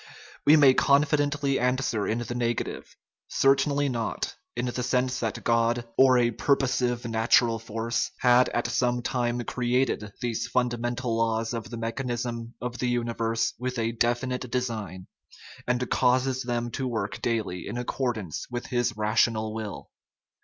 We may confidently answer in the negative certainly not, in the sense that God, or a purposive natural force, had at some time created these fundamental laws of the mechan ism of the universe with a definite design, and causes them to work daily in accordance with his rational will.